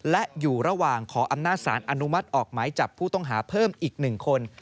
และอยู่ระหว่างขออำนาจสารอนุมัติออกหมายจับผู้ต้องหาเพิ่มอีก๑คน